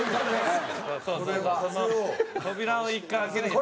扉を一回開けに。